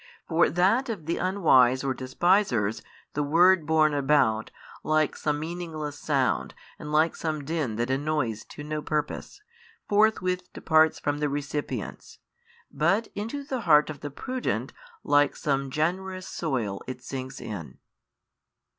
For that of the unwise or despisers the word borne about, like some meaningless sound and like some din that annoys to no purpose, forthwith departs from the recipients: but into the heart of the prudent like some generous soil it sinks in.